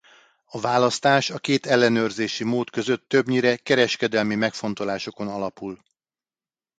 A választás a két ellenőrzési mód között többnyire kereskedelmi megfontolásokon alapul.